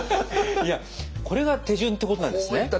いやこれが手順ってことなんですね。